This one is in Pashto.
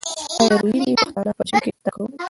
ایا روهیلې پښتانه په جنګ کې تکړه وو؟